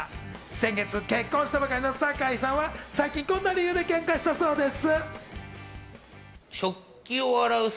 先月結婚したばかりの坂井さんは最近こんな理由でケンカをしたそうなんです。